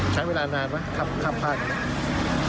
ใช้เวลานานไหมขับข้างนี้